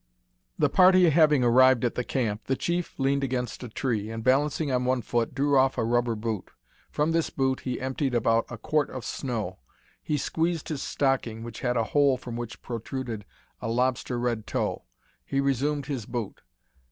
The party having arrived at the camp, the chief leaned against a tree, and balancing on one foot, drew off a rubber boot. From this boot he emptied about a quart of snow. He squeezed his stocking, which had a hole from which protruded a lobster red toe. He resumed his boot.